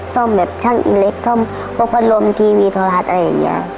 ซ่อมแบบช่างเล็กซ่อมพวกพัดลมทีวีพระรหัสอะไรอย่างนี้